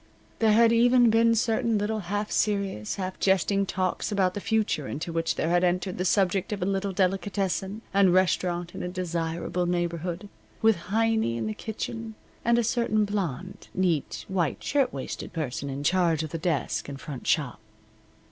There had even been certain little half serious, half jesting talks about the future into which there had entered the subject of a little delicatessen and restaurant in a desirable neighborhood, with Heiny in the kitchen, and a certain blonde, neat, white shirtwaisted person in charge of the desk and front shop.